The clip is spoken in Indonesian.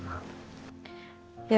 supaya dia bisa donori hati untuk mama